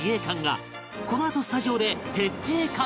このあとスタジオで徹底解説